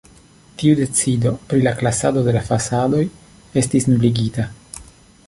Tiu decido pri la klasado de la fasadoj estis nuligita.